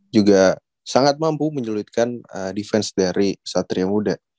juga sangat mampu menyulitkan defense dari satria muda